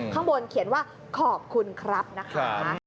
ข้างบนเขียนว่าขอบคุณครับนะคะ